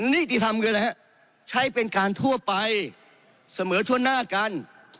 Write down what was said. นิติธรรมคืออะไรฮะใช้เป็นการทั่วไปเสมอทั่วหน้ากัน